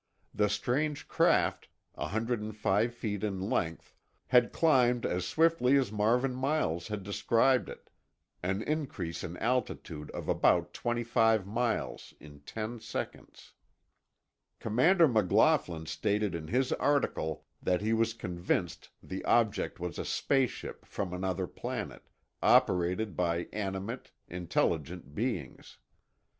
The strange craft, 105 feet in length, had climbed as swiftly as Marvin Miles had described it—an increase in altitude of about 25 miles in 10 seconds. Commander McLaughlin stated in his article that he was convinced the object was a space ship from another planet, operated by animate, intelligent beings.